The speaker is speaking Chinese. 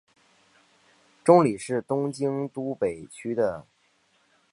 中里是东京都北区的町名。